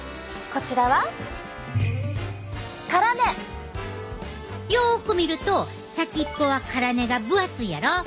こちらはよく見ると先っぽは辛根が分厚いやろ。